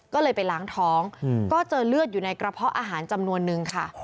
ก็เลยไปล้างท้องก็เจอเลือดอยู่ในกระเพาะอาหารจำนวนนึงค่ะ